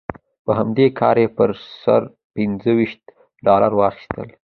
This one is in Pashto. په همدې کار یې پر سر پنځه ویشت ډالره واخیستل.